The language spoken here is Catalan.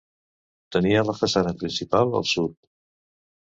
Tenia la façana principal al sud.